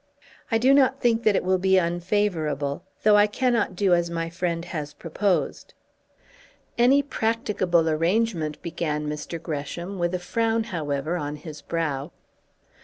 "I do not think that it will be unfavourable, though I cannot do as my friend has proposed." "Any practicable arrangement " began Mr. Gresham, with a frown, however, on his brow.